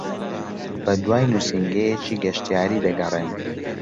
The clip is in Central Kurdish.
بەدوای نووسینگەیەکی گەشتیاری دەگەڕێم.